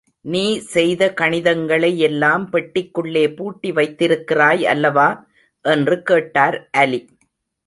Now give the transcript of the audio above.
நீ செய்த கணிதங்களை யெல்லாம் பெட்டிக்குள்ளே பூட்டி வைத்திருக்கிறாய் அல்லவா? என்று கேட்டார் அலி.